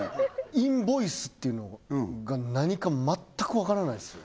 インボイスっていうのが何かもまったく分からないですよ